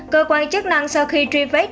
cơ quan chức năng sau khi truy vết